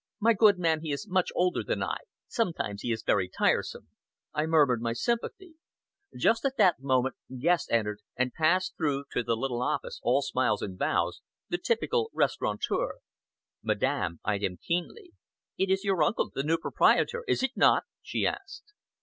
My good man he is much older than I. Sometimes he is very tiresome." I murmured my sympathy. Just at that moment, Guest entered and passed through to the little office, all smiles and bows the typical restaurateur. Madame eyed him keenly. "It is your uncle, the new proprietor, is it not?" she asked.